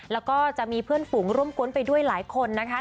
แล้วก็จะมีเพื่อนฝูงร่วมกวนไปด้วยหลายคนนะคะ